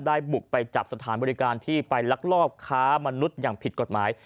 บุกไปจับสถานบริการที่ไปลักลอบค้ามนุษย์อย่างผิดกฎหมาย